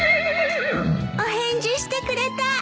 お返事してくれた。